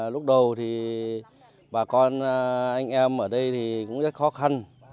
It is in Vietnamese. lúc đầu thì bà con anh em ở đây thì cũng rất khó khăn